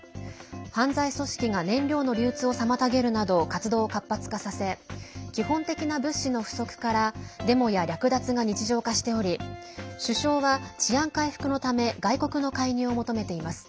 犯罪組織が燃料の流通を妨げるなど活動を活発化させ基本的な物資の不足からデモや略奪が日常化しており首相は治安回復のため外国の介入を求めています。